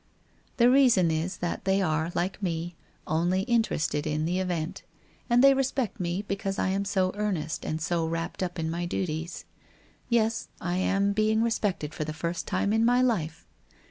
The reason is that they are, like me, only interested in the event, and they respect me because I am 60 in earnest and so wrapt up in my duties. Yes, I am being respected for the first time in my life!